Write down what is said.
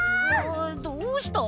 どうした？